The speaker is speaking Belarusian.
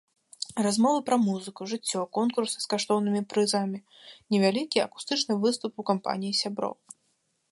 Размова пра музыку, жыццё, конкурсы з каштоўнымі прызамі, невялікі акустычны выступ у кампаніі сяброў.